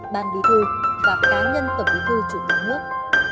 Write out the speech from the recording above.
ban bí thư và cá nhân tổng bí thư chủ tịch nước